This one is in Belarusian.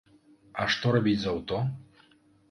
А што рабіць з аўто?